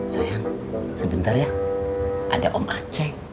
sayang sebentar ya ada om aceh